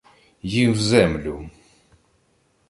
— Їв землю-м.